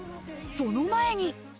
その前に。